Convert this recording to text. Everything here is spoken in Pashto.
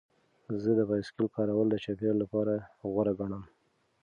زه د بایسکل کارول د چاپیریال لپاره غوره ګڼم.